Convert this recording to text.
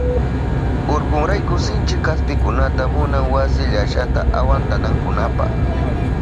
Urkunrayku sinchi kaspikunata munan wasi llashata awantanankunapa.